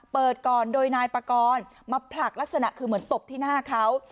เปิดก่อนโดยนายปากรมาผลักลักษณะคือเหมือนตบที่หน้าเขา